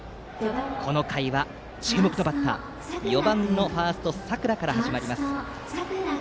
この回は、注目バッター４番ファーストの佐倉から始まります。